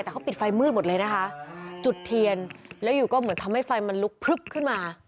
แต่เขาปิดไฟมืดหมดเลยนะคะจุดเทียนแล้วอยู่ก็เหมือนทำให้ไฟมันลุกพลึบขึ้นมา